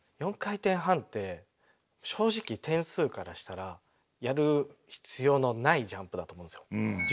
４回転半って正直点数からしたらやる必要のないジャンプだと思うんですよ。